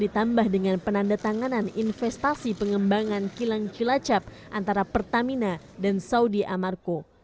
ditambah dengan penandatanganan investasi pengembangan kilang kilacap antara pertamina dan saudi amarko